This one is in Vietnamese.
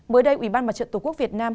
mới đây ủy ban mặt trận tổ quốc việt nam